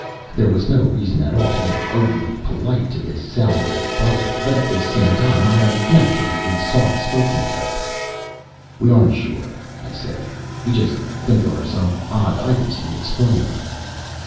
There was no reason at all to be overly polite to this sour old buzzard, but at the same time I am naturally the soft spoken type. "We aren't sure," I said. "We just think there are some odd items to be explained."